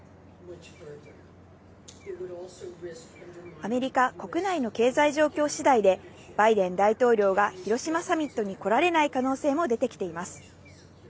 アメリカ国内の経済状況しだいで、バイデン大統領が広島サミットに来られない可能性も出てきています。